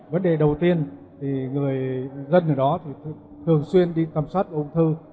vấn đề đầu tiên thì người dân ở đó thì thường xuyên đi tầm soát ung thư